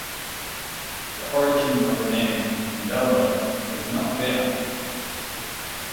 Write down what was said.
The origin of the name "Belmullet" is not clear.